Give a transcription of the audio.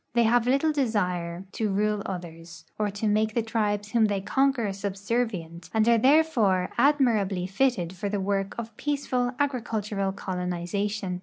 They have little desire to rule others, or to make the tril)es Avhom they conquer subserv ient, and are therefore admirably fitted for the Avork of })eaceful agricultural colonization.